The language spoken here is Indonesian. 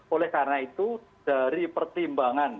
oleh karena itu dari pertimbangan